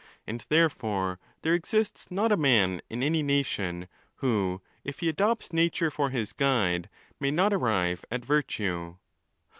And therefore there exists not a man in any nation, who, if he adopts nature for his guide, may not arrive at virtue.